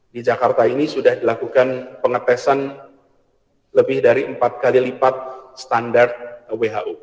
di jakarta ini sudah dilakukan pengetesan lebih dari empat kali lipat standar who